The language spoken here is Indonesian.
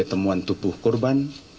temuan tubuh kurban